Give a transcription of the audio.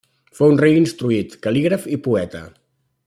Fou un rei instruït, cal·lígraf i poeta.